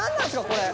これ。